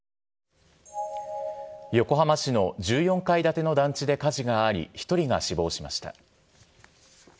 横浜市の１４階建ての団地で火事があり、１人が死亡しました。